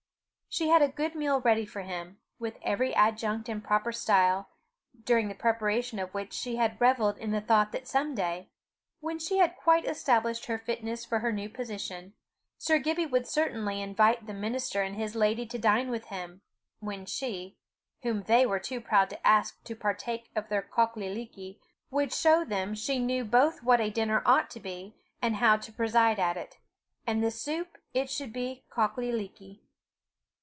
She had a good meal ready for him, with every adjunct in proper style, during the preparation of which she had revelled in the thought that some day, when she had quite established her fitness for her new position, Sir Gibbie would certainly invite the minister and his lady to dine with him, when she, whom they were too proud to ask to partake of their cockie leekie, would show them she knew both what a dinner ought to be, and how to preside at it; and the soup it should be cockie leekie.